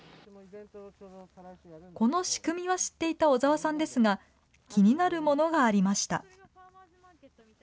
この仕組みは知っていた小澤さんですが、気になるものがありました。